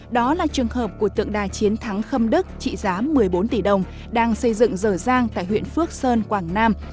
đó là trường hợp của tượng đài chiến thắng khâm đức trị giá một mươi bốn tỷ đồng đang xây dựng dở dang tại huyện phước sơn quảng nam